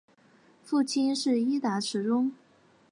父亲是伊达持宗。